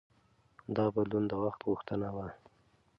دا بدلون د وخت غوښتنه وه.